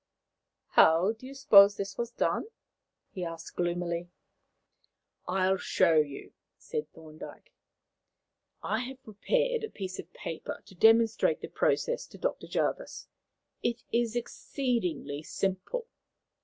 "How do you suppose this was done?" he asked gloomily. "I will show you," said Thorndyke. "I have prepared a piece of paper to demonstrate the process to Dr. Jervis. It is exceedingly simple."